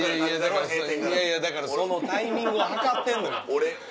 いやいやだからそのタイミングを計ってんのよ。